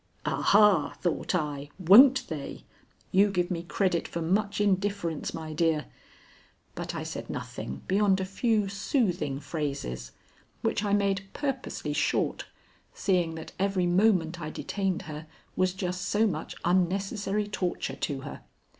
"Ah, ha," thought I, "won't they! You give me credit for much indifference, my dear." But I said nothing beyond a few soothing phrases, which I made purposely short, seeing that every moment I detained her was just so much unnecessary torture to her.